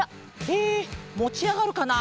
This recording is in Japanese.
えもちあがるかな？